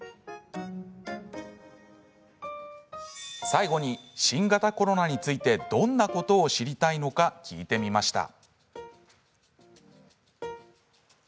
最後に新型コロナについてどんなことを知りたいのか聞いてみました。